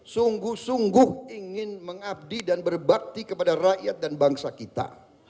sungguh sungguh ingin mengabdi dan berbakti kepada rakyat dan bangsa kita